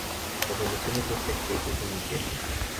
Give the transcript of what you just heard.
Las relaciones de esta especie son inciertas.